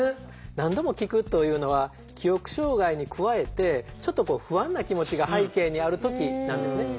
何度も聞くというのは記憶障害に加えてちょっと不安な気持ちが背景にある時なんですね。